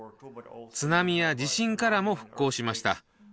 津波や地震からも復興しました。